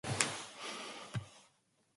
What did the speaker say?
Arana is also noted for his solidarity work.